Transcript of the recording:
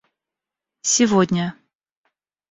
сегодня